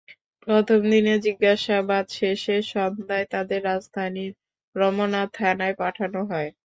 প্রথম দিনের জিজ্ঞাসাবাদ শেষে সন্ধ্যায় তাঁদের রাজধানীর রমনা থানায় পাঠানো হয়।